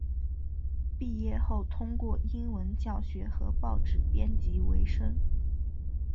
毕业后通过英文教学和报纸编辑维生。